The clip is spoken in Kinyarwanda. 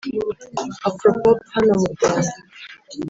“afro pop” hano mu rwanda